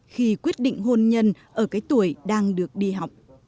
khi quyết định hôn nhân ở cái tuổi đang được đi học